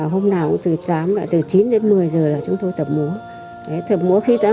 hôm nào cũng từ chín đến một mươi giờ là chúng tôi tập múa